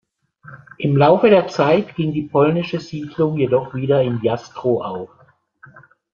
Im Laufe der Zeit ging die polnische Siedlung jedoch wieder in Jastrow auf.